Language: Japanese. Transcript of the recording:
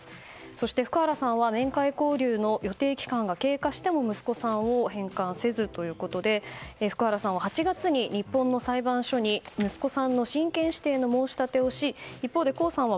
そして福原さんは面会交流の予定期間が経過しても息子さんを返還せずということで福原さんは８月に日本の裁判所に息子さんの親権指定の申し立てをし一方で江さんは